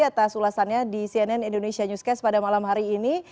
atas ulasannya di cnn indonesia newscast pada malam hari ini